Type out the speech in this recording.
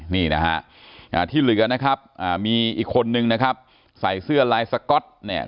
นี่นะฮะที่เหลือนะครับมีอีกคนนึงนะครับใส่เสื้อลายสก๊อตเนี่ย